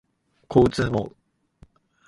交通網